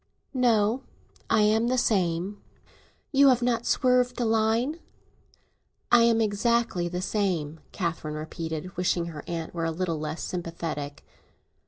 "No; I am the same." "You have not swerved a line?" "I am exactly the same," Catherine repeated, wishing her aunt were a little less sympathetic.